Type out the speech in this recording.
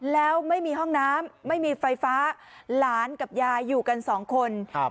แล้วไม่มีห้องน้ำไม่มีไฟฟ้าหลานกับยายอยู่กันสองคนครับ